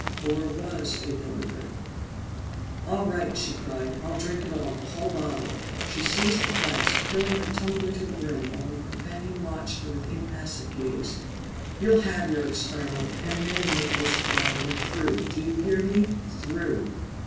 Or was it the liquor? "All right!" she cried. "I'll drink it all the whole bottle!" She seized the flask, filling her tumbler to the brim, while her companion watched her with impassive gaze. "You'll have your experiment! And then, Nicholas Devine, we're through! Do you hear me? Through!"